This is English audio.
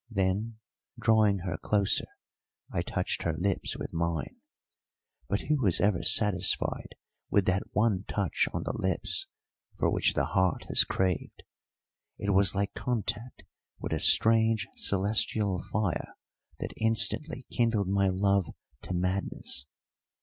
Then, drawing her closer, I touched her lips with mine. But who was ever satisfied with that one touch on the lips for which the heart has craved? It was like contact with a strange, celestial fire that instantly kindled my love to madness.